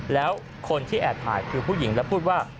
แล้วคนที่แอบถ่ายคือผู้หญิงแล้วพูดว่า